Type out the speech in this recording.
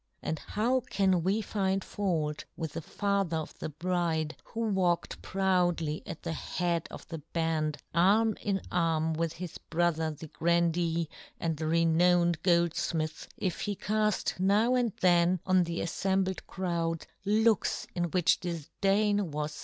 And how can we find fault with the father of the bride, who walked proudly at the head of the band, arm in arm with his brother the grandee and the renowned goldfmith, if he caft now and then on the afl"embled crowd looks in which difdain was yohn Gutenberg.